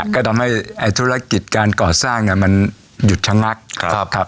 ก็ทำให้ธุรกิจการก่อสร้างมันหยุดชะงัก